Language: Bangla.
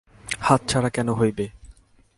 হাতছাড়া কেন হইবে।